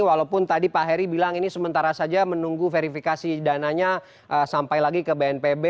walaupun tadi pak heri bilang ini sementara saja menunggu verifikasi dananya sampai lagi ke bnpb